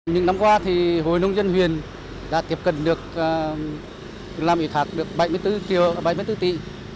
những năm qua hội nông dân huyền đã tiếp cận được làm ủy thạc bảy mươi bốn tỷ